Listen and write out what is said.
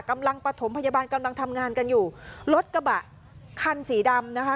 ปฐมพยาบาลกำลังทำงานกันอยู่รถกระบะคันสีดำนะคะ